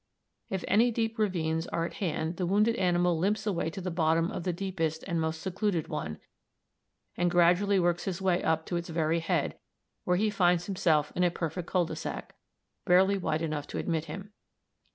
If any deep ravines are at hand the wounded animal limps away to the bottom of the deepest and most secluded one, and gradually works his way up to its very head, where he finds himself in a perfect cul de sac, barely wide enough to admit him.